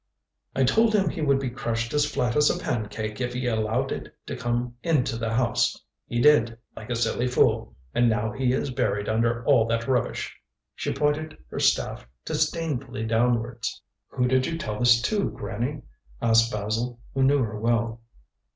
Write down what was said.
"I told him he would be crushed as flat as a pancake if he allowed It to come into the house. He did, like a silly fool, and now he is buried under all that rubbish." She pointed her staff disdainfully downwards. "Who did you tell this to, Granny?" asked Basil, who knew her well.